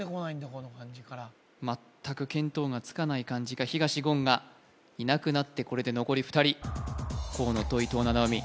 この漢字から全く見当がつかない漢字か東言がいなくなってこれで残り２人河野と伊藤七海